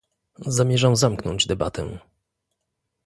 Zamierzam zamknąć debatę